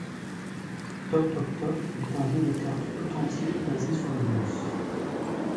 Toc Toc Toc est un jeu de cartes tout entier basé sur le bluff.